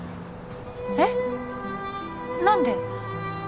えっ何で？